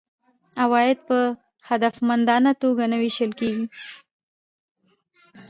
عواید په هدفمندانه توګه نه وېشل کیږي.